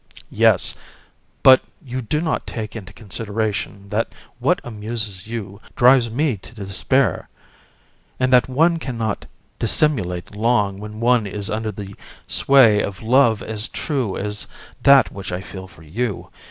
VISC. Yes; but you do not take into consideration that what amuses you drives me to despair; and that one cannot dissimulate long when one is under the sway of love as true as that which I feel for you.